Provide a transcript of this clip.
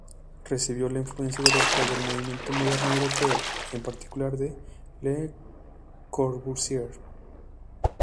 Recibió la influencia directa del movimiento moderno europeo, en particular de Le Corbusier.